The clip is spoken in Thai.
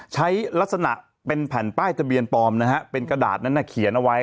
ลักษณะเป็นแผ่นป้ายทะเบียนปลอมนะฮะเป็นกระดาษนั้นน่ะเขียนเอาไว้